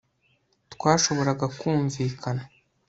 Twashoboraga kumvikana